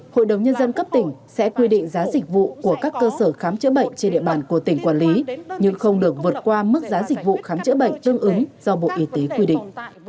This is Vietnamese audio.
hội đồng nhân dân cấp tỉnh sẽ quy định giá dịch vụ của các cơ sở khám chữa bệnh trên địa bàn của tỉnh quản lý nhưng không được vượt qua mức giá dịch vụ khám chữa bệnh tương ứng do bộ y tế quy định